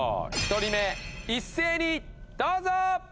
１人目一斉にどうぞ！